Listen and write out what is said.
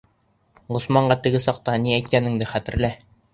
Ғосманға теге саҡта ни әйткәнеңде хәтерлә!